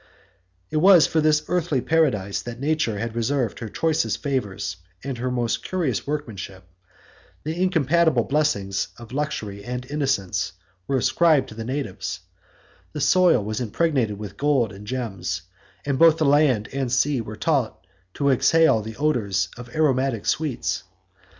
It was for this earthly paradise that Nature had reserved her choicest favors and her most curious workmanship: the incompatible blessings of luxury and innocence were ascribed to the natives: the soil was impregnated with gold 7 and gems, and both the land and sea were taught to exhale the odors of aromatic sweets.